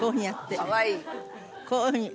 こういうふうに。